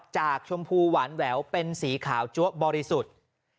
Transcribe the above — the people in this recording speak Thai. ชมพูหวานแหววเป็นสีขาวจั๊วบริสุทธิ์